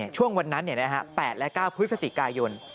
ช่วงวันนั้น๘และ๙พฤศจิกายน